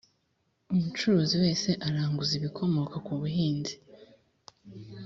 umucuruzi wese uranguza ibikomoka ku buhinzi